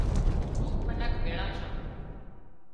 خوٻ منک ڀِيۯان ڇان